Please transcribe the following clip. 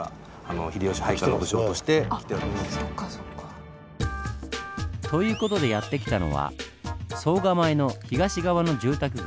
そっかそっか。という事でやって来たのは総構の東側の住宅街。